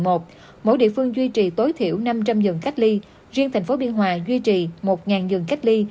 mỗi địa phương duy trì tối thiểu năm trăm linh giường cách ly riêng thành phố biên hòa duy trì một giường cách ly